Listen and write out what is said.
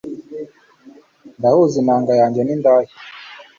ndahuza inanga yanjye nindaya